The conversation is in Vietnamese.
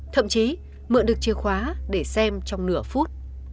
thậm chí mượn được chìa khóa để xem trong nửa phút